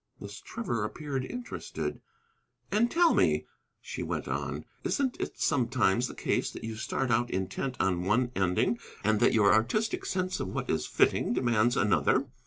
Miss Trevor appeared interested. "And tell me," she went on, "isn't it sometimes the case that you start out intent on one ending, and that your artistic sense of what is fitting demands another?"